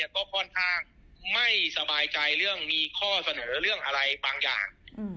ก็ค่อนข้างไม่สบายใจเรื่องมีข้อเสนอเรื่องอะไรบางอย่าง